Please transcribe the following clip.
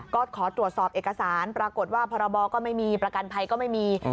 ก็ขอตรวจสอบเอกสารปรากฏว่าพรบก็ไม่มีประกันภัยก็ไม่มี